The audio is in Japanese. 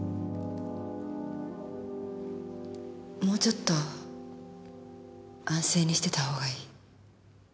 もうちょっと安静にしてたほうがいい。